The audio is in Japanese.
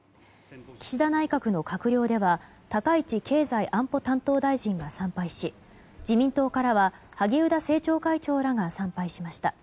岸田内閣の閣僚では高市経済安保担当大臣が参拝し自民党からは萩生田政調会長らが参拝しました。